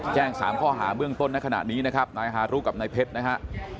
แจ้ง๓ข้อหาเบื้องต้นในขณะนี้นะครับนายฮารุกับนายเพชรนะฮะ